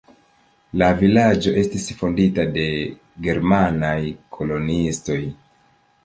La vilaĝo estis fondita de germanaj koloniistoj.